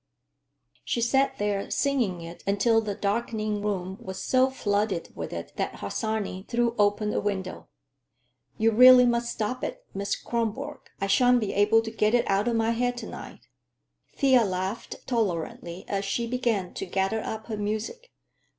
She sat there singing it until the darkening room was so flooded with it that Harsanyi threw open a window. "You really must stop it, Miss Kronborg. I shan't be able to get it out of my head to night." Thea laughed tolerantly as she began to gather up her music.